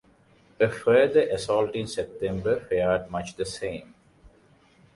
A further assault in September fared much the same.